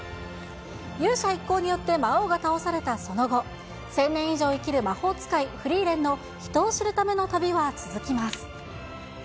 勇者一行によって魔王が倒されたその後、１０００年以上生きる魔法使い、フリーレンの人を知るための旅は続きます。